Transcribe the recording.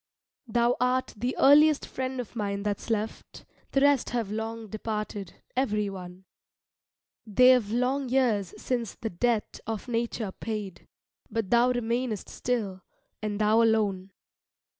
Thou art the earliest friend of mine that's left The rest have long departed, every one; They've long years since the debt of nature paid, But thou remainest still, and thou alone.